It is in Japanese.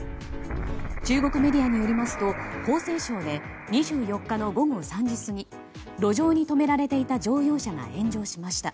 中国メディアによりますと江西省で２４日の午後３時過ぎ路上に止められていた乗用車が炎上しました。